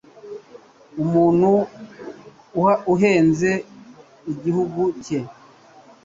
Umuntu uhunze igihugu cye